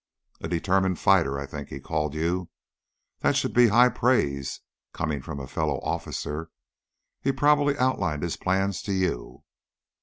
'A determined fighter,' I think he called you. That should be high praise, coming from a fellow officer. He probably outlined his plans to you."